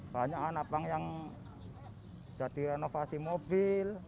banyak anak yang jadi renovasi mobil